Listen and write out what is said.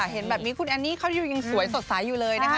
เห็นแบบนี้คุณแอนนี่เขาอยู่ยังสวยสดใสอยู่เลยนะคะ